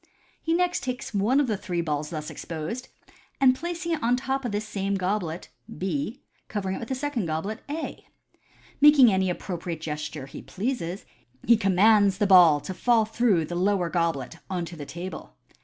He next takes one of the three balls thus exposed, and placing it on the top of this same goblet (B), covering it with a second goblet (A). Making any appro priate gesture he pleases, he commands the ball to fall through the lower goblet on to the table.